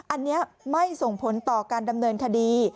อันนี้ไม่ส่งผลต่อการดำเนินคดี